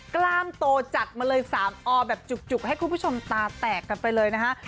กล้ามโตจัดมาเลย๓อแบบจุกให้คุณผู้ชมตาแตกกันไปเลยนะฮะ